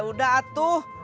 ya udah atuh